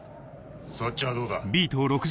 そっちはどうだ？